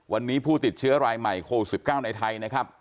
วันนี้ผู้ติดเชื้อรายใหม่โควิด๑๙ในไทยนะครับ